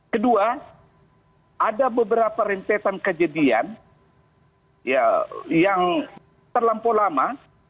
kedua ada beberapa rentetan kejadian yang terlampau lama